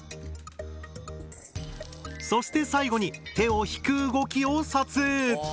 そして最後に手を引く動きを撮影。